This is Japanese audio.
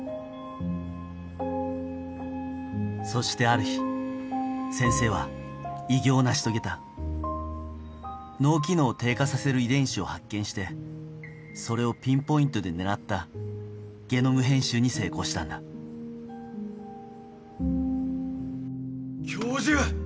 そしてある日先生は偉業を成し遂げた脳機能を低下させる遺伝子を発見してそれをピンポイントで狙ったゲノム編集に成功したんだ教授！